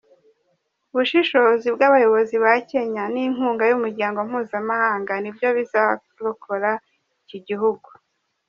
Ubushishozi bw’abayobozi ba Kenya n’inkunga y’Umuryango mpuzamahanga nibyo bizarokora iki gihugu.